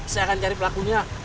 saya akan cari pelakunya